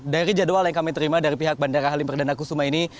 dari jadwal yang kami terima dari pihak bandara halim perdana kusuma ini